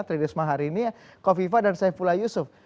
tririsma harini kofifah dan saipula yusuf